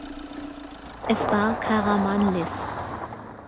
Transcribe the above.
Es war Karamanlis.